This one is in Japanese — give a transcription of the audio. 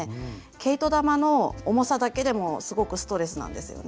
毛糸玉の重さだけでもすごくストレスなんですよね。